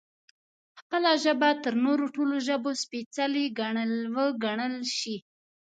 خپله ژبه تر نورو ټولو ژبو سپېڅلې وګڼل شي